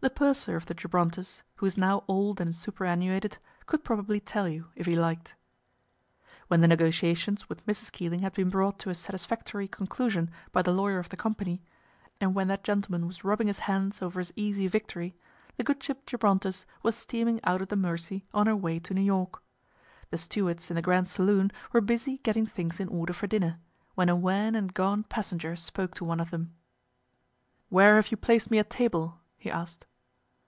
The purser of the Gibrontus, who is now old and superannuated, could probably tell you if he liked. When the negotiations with Mrs. Keeling had been brought to a satisfactory conclusion by the lawyer of the company, and when that gentleman was rubbing his hands over his easy victory, the good ship Gibrontus was steaming out of the Mersey on her way to New York. The stewards in the grand saloon were busy getting things in order for dinner, when a wan and gaunt passenger spoke to one of them. "Where have you placed me at table?" he asked.